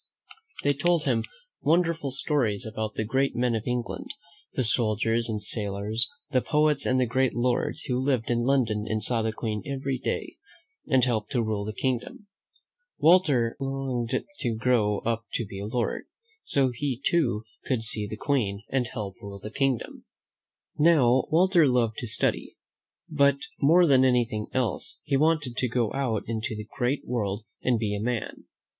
They told him wonderful stories about the great men of England, the soldiers and sailors, the poets and the great lords who lived in London and saw the Queen every day, and helped to rule the kingdom. Walter longed to grow up to be a lord, so he, too, could see the Queen and help to rule the kingdom. Now, Walter loved to study; but, more than anything else, he wanted to go out into the great world and be a man.